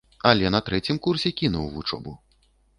Але на трэцім курсе кінуў вучобу.